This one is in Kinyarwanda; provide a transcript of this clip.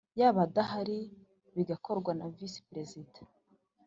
yaba adahari bigakorwa na Visiperezida